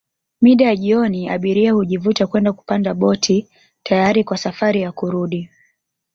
Mida ya jioni abiria hujivuta kwenda kupanda boti tayari kwa safari ya kurudi